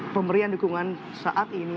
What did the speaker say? pemberian dukungan saat ini